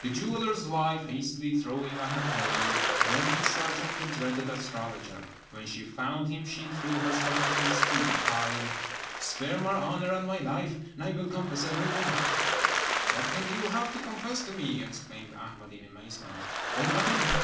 The jeweller's wife, hastily throwing on her veil, went in search of the dreaded astrologer. When she found him, she threw herself at his feet, crying, "Spare my honour and my life, and I will confess everything!" "What can you have to confess to me?" exclaimed Ahmed in amazement. "Oh, nothing!